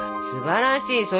すばらしい。